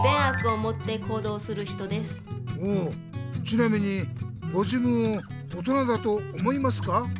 ちなみにご自分を大人だと思いますか？